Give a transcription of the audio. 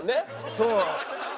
そう。